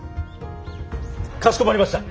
かしこまりました！